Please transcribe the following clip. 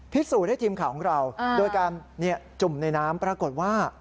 พิสูจน์ให้ทีมข่าวของเราโดยการจุ่มในน้ำปรากฏว่า